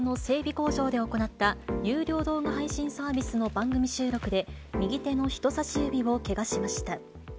工場で行った有料動画配信サービスの番組収録で、右手の人さし指をけがしました。